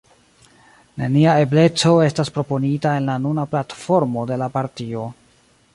Nenia ebleco estas proponita en la nuna platformo de la partio.